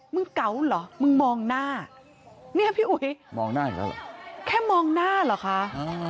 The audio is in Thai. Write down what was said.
มึงเกาะหรอมึงมองหน้านี่พี่อุ๋ยแค่มองหน้าหรอคะ